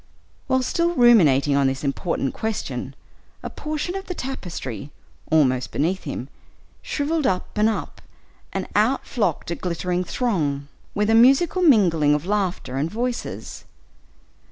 While still ruminating on this important question, a portion of the tapestry, almost beneath him, shriveled up and up, and out flocked a glittering throng, with a musical mingling of laughter and voices.